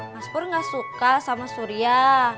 mas pur gak suka sama surya